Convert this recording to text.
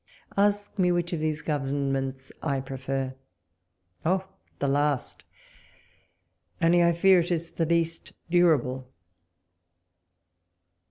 Ask me which of these governments I prefer— oh ! the last— only I fear it is the least durable.